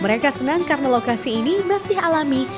mereka senang karena lokasi ini masih alami